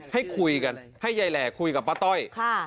ให้คุยกันให้ยายแหล่คุยกับป้าต้อย